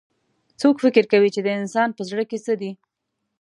څوک فکر کوي چې د انسان پهزړه کي څه دي